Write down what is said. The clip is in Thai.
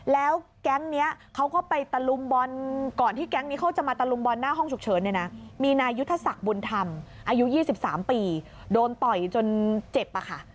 แล้วแก๊งนี้เขาก็ไปตลุมบอนก่อนที่แก๊งมาตลุมบอนก่อนมาตลุมบอนหน้าห้องฉุกเฉินมีนายธสักรบุญธรรมอายุ๒๓ปีโดนต่อยจนเจ็บอ่ะค่ะ